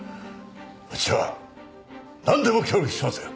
うちはなんでも協力しますよ！